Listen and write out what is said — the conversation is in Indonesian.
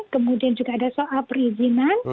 kemudian juga ada soal perizinan